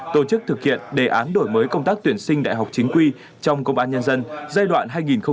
tổ chức thực hiện đề án đổi mới công tác tuyển sinh đại học chính quy trong công an nhân dân giai đoạn hai nghìn một mươi chín hai nghìn hai mươi năm